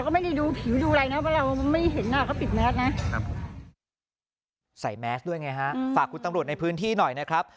ครับใส่แม็กซ์ด้วยไงฮะอืมฝากคุณตำลดในพื้นที่หน่อยนะครับ